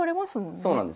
そうなんです。